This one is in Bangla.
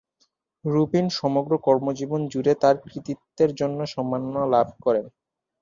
রুবিন সমগ্র কর্মজীবন জুড়ে তাঁর কৃতিত্বের জন্য সম্মাননা লাভ করেন।